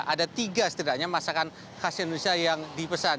ada tiga setidaknya masakan khas indonesia yang dipesan